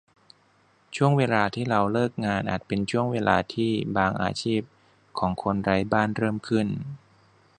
ช่วงเวลาที่เราเลิกงาน อาจจะเป็นช่วงเวลาที่บางอาชีพของคนไร้บ้านเริ่มขึ้น